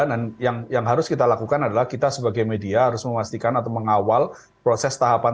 dan yang harus kita lakukan adalah kita sebagai media harus memastikan atau mengawal proses tahapan